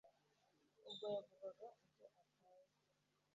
Ubwo yavugaga ibyo atazi